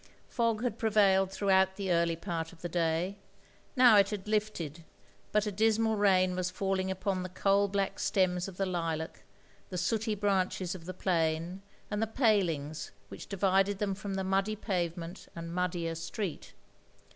Fog had prevailed throughout the early part of the day ; now it had lifted, but a dismal rain was falling upon the coal black stems of the lilac, the sooty branches of the plane, and the palings which divided them from the muddy pavement and muddier street.